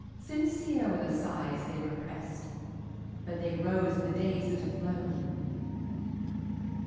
Sincere were the sighs they represt, But they rose in the days that are flown!